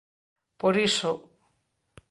Por iso